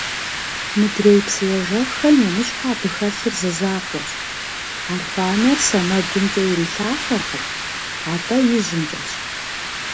Мыдрей псы ежэххэм емыщхьу абы хэлъыр зы закъуэщ – архъуанэр сэмэгумкӏэ ирилъафэркъым, атӏэ ижьымкӏэщ!